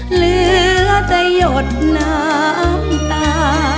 เหลือจะหยดน้ำตา